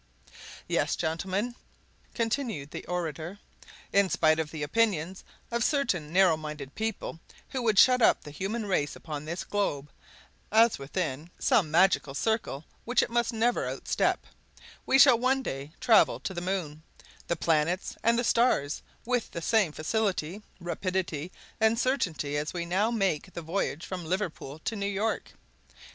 "Yes, gentlemen," continued the orator, "in spite of the opinions of certain narrow minded people, who would shut up the human race upon this globe, as within some magic circle which it must never outstep, we shall one day travel to the moon, the planets, and the stars, with the same facility, rapidity, and certainty as we now make the voyage from Liverpool to New York!